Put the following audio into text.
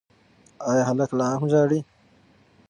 ایا هلک لا هم ژاړي؟